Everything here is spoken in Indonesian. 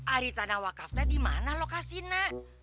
aritana wakafta di mana lokasi nak